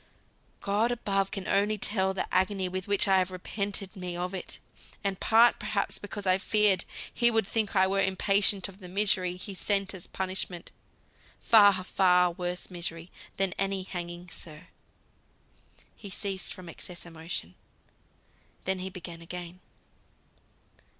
God above only can tell the agony with which I've repented me of it, and part perhaps because I feared He would think I were impatient of the misery He sent as punishment far, far worse misery than any hanging, sir." He ceased from excess of emotion. Then he began again.